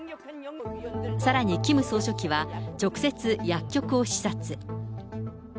さらにキム総書記は、直接、薬局を視察。